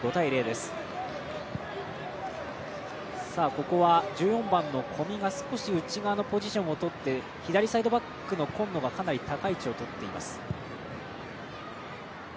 ここは、１４番の小見が少し内側のポジションになって左サイドバックの今野が、かなり高い位置をとっています。